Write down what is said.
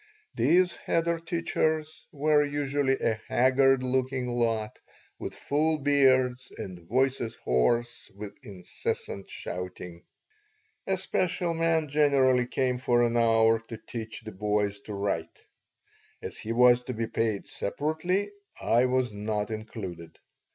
These cheder teachers were usually a haggard looking lot with full beards and voices hoarse with incessant shouting. A special man generally came for an hour to teach the boys to write. As he was to be paid separately, I was not included.